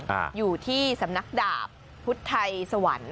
เย้นเข้ามาแสดงอยู่ที่สำนักดาบพุธทัยสวรรค์